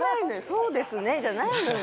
「そうですね」じゃないのよ。